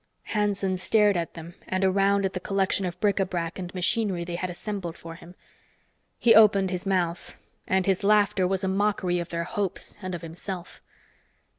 Hanson stared at them and around at the collection of bric a brac and machinery they had assembled for him. He opened his mouth, and his laughter was a mockery of their hopes and of himself.